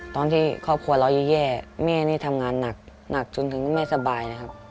ครอบครัวเราแย่แม่นี่ทำงานหนักจนถึงไม่สบายนะครับ